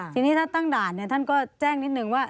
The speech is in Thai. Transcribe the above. ทีนี้ถ้าตั้งด่านท่านก็แจ้งนิดนึงว่า